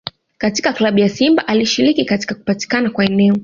Katika Klabu ya Simba alishiriki katika kupatikana kwa eneo